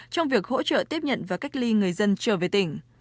trong việc hỗ trợ tiếp nhận và cách ly người dân trở về tỉnh